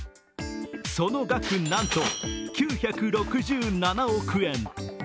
その額、なんｔの９６７億円。